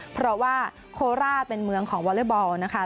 เพราะว่าโคราชเป็นเมืองของวอเล็กบอลนะคะ